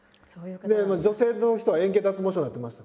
女性の人は円形脱毛症になってましたね。